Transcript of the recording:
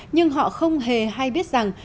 nhưng họ không hề hay biết rằng